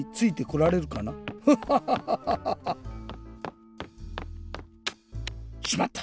フハハハ。しまった。